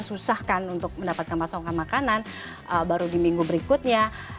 susahkan untuk mendapatkan pasokan makanan baru di minggu berikutnya